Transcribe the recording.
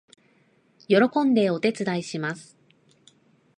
喜んでお手伝いします